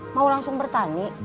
mau langsung bertani